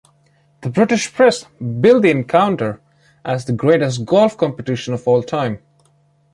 The British press billed the encounter as the greatest golf competition of all time.